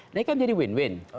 nah ini kan jadi win win